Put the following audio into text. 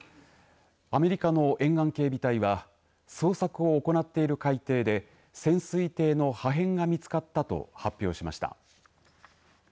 アメリカの沿岸警備隊は捜索を行っている海底で潜水艇の破片が見つかったと発表しました。